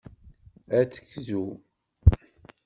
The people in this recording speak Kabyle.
Ad tegzu.